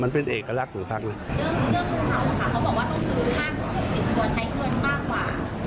มันเป็นเอกลักษณ์ของพักนั้น